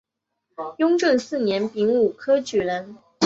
雍正四年丙午科举人。